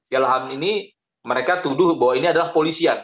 gelham ini mereka tuduh bahwa ini adalah polisian